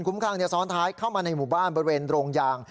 ข้างซ้อนท้ายเข้ามาในหมู่บ้านบริเวณโรงยาง